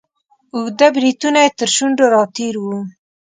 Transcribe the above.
اوږده بریتونه یې تر شونډو را تیر وه.